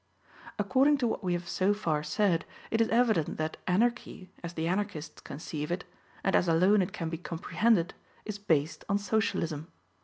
According to what we have so far said, it is evident that Anarchy, as the Anarchists conceive it, and as alone it can be comprehended, is based on Socialism.